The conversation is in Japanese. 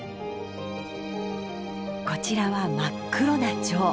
こちらは真っ黒なチョウ。